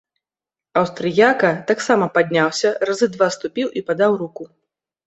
Аўстрыяка таксама падняўся, разы два ступіў і падаў руку.